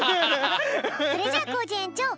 それじゃあコージえんちょう